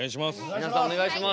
皆さんお願いします。